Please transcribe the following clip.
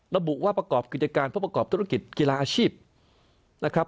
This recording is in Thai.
ระบุว่าประกอบกิจการเพื่อประกอบธุรกิจกีฬาอาชีพนะครับ